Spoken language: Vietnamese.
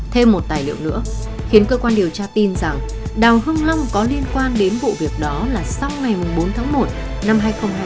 thêm một tài liệu nữa khiến cơ quan điều tra tin rằng đào hưng long có liên quan đến vụ việc đó là sau ngày bốn tháng một năm hai nghìn hai mươi ba